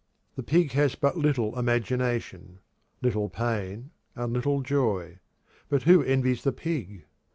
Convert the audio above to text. The pig has but little imagination, little pain and little joy, but who envies the pig?